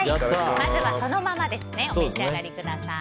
まずはそのままお召し上がりください。